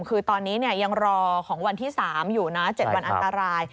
คือตอนนี้ยังรอของวันที่๓อยู่นะ๗วันอันตราย